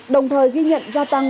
đồng thời ghi nhận gia tăng